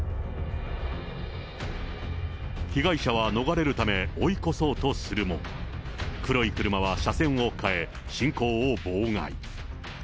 被害者は逃れるため追い越そうとするも、黒い車は車線を変え、進行を妨害。